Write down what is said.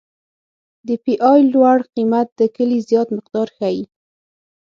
د پی ای لوړ قیمت د کلې زیات مقدار ښیي